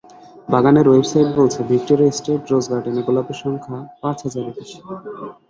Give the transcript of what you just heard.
বাগানের ওয়েবসাইট বলছে, Victoria State Rose গার্ডেনে গোলাপের সংখ্যা পাঁচ হাজারের বেশি।